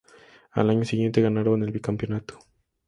Al año siguiente ganaron el bicampeonato.